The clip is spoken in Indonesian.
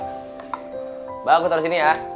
mbak aku taro sini ya